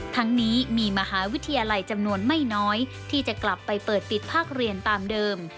ทั้งนี้มีมหาวิทยาลัยจำนวนไม่น้อยที่จะกลับไปเปิดปิดภาคเรียนตามเดิม